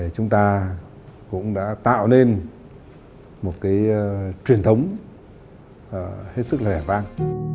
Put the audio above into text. chúng ta cũng đã tạo nên một truyền thống hết sức là đẹp vang